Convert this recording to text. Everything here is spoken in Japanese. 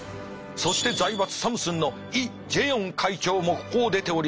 そして財閥サムスンのイ・ジェヨン会長もここを出ております。